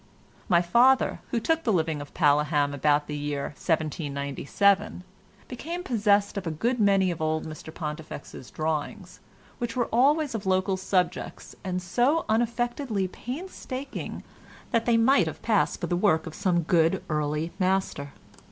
My father, who took the living of Paleham about the year 1797, became possessed of a good many of old Mr Pontifex's drawings, which were always of local subjects, and so unaffectedly painstaking that they might have passed for the work of some good early master.